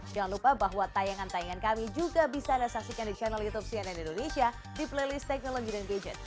jangan lupa bahwa tayangan tayangan kami juga bisa anda saksikan di channel youtube cnn indonesia di playlist teknologi dan gadget